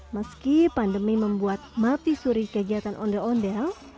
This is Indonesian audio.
meski pandemi membuat mati suri kegiatan ondel ondel